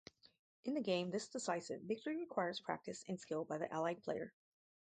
In the game this decisive victory requires practice and skill by the Allied player.